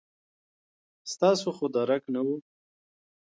ستاسو خو درک نه و.